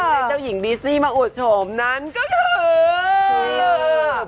และเจ้าหญิงดีซี่มาอวดโฉมนั้นก็คือ